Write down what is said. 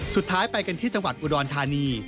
สุดท้ายไปกันที่จังหวัดอุดรธานี